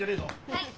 はい！